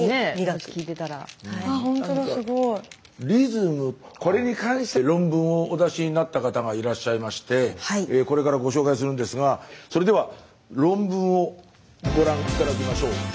リズムこれに関して論文をお出しになった方がいらっしゃいましてこれからご紹介するんですがそれでは論文をご覧頂きましょう。